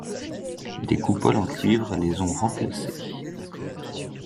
Des coupoles en cuivre les ont remplacées.